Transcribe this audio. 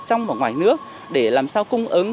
trong và ngoài nước để làm sao cung ứng